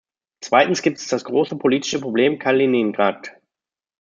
Zweitens gibt es das große politische Problem Kaliningrad.